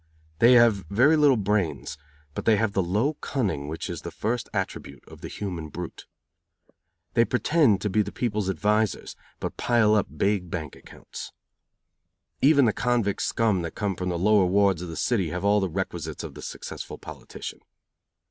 They have very little brains, but they have the low cunning which is the first attribute of the human brute. They pretend to be the people's advisers, but pile up big bank accounts. Even the convict scum that come from the lower wards of the city have all the requisites of the successful politician.